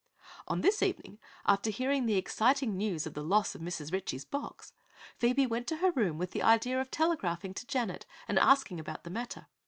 On this evening, after hearing the exciting news of the loss of Mrs. Ritchie's box, Phoebe went to her room with the idea of telegraphing to Janet and asking about the matter.